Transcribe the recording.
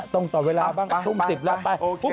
ต้องตอบเวลาบ้างช่วงสิบแล้วไป